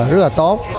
rất là tốt